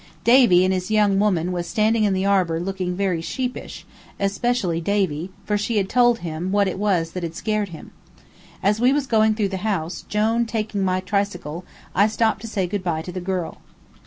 Davy and his young woman was standing in the arbor looking very sheepish, especially Davy, for she had told him what it was that had scared him. As we was going through the house, Jone taking my tricycle, I stopped to say good by to the girl.